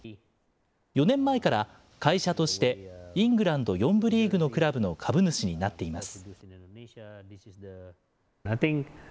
４年前から、会社としてイングランド４部リーグのクラブの株主になっています。